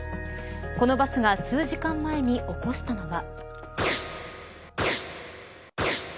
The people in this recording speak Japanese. このバスが数時間前に起こしたのは。